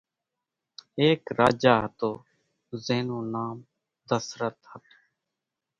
ايڪ راجا ھتو زين نون نام دسرت ھتون